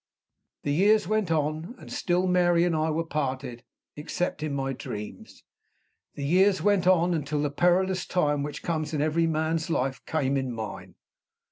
The years went on, and still Mary and I were parted, except in my dreams. The years went on, until the perilous time which comes in every man's life came in mine.